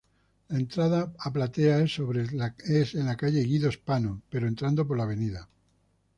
La entrada a plateas es sobre la calle Guido Spano, pero entrando por Av.